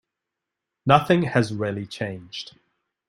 Nothing has really changed.